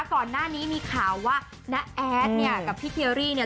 ก่อนหน้านี้มีข่าวว่าน้าแอดเนี่ยกับพี่เทียรี่เนี่ย